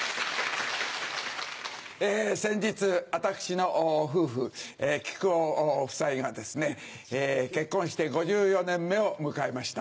先日私の夫婦木久扇夫妻がですね結婚して５４年目を迎えました。